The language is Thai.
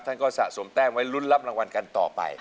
ท่านก็สะสมแต้มไว้ลุ้นรับรางวัลกันต่อไป